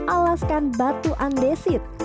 alaskan batu andesit